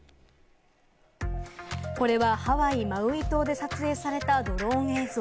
これはハワイ・マウイ島で撮影されたドローン映像。